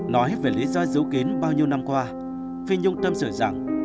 nói về lý do dấu kín bao nhiêu năm qua phi nhung tâm sự rằng